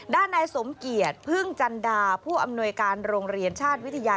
ด้านนายสมเกียจพึ่งจันดาผู้อำนวยการโรงเรียนชาติวิทยา